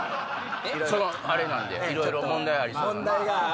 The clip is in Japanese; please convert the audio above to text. あれなんでいろいろ問題ありそうなんで。